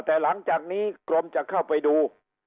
แต่หลังจากนี้กรมจะเข้าไปดู